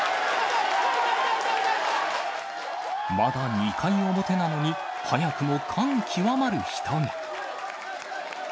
まだ２回表なのに、早くも感極まる人が。